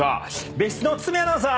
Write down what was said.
別室の堤アナウンサー？